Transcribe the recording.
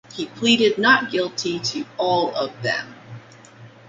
He pleaded not guilty to all of them.